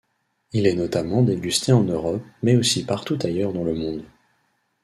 Il est notamment dégusté en Europe, mais aussi partout ailleurs dans le monde.